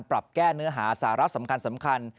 ปรับแก้เนื้อหาสาระสำคัญ